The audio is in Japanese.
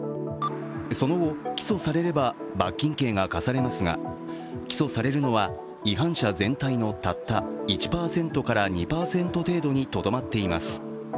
その後、起訴されれば罰金刑が科されますが起訴されるのは、違反者全体のたった１％から２％程度にとどまっています。